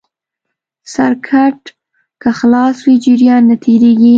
سرکټ که خلاص وي جریان نه تېرېږي.